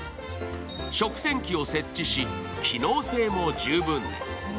食洗機を設置し、機能性も十分です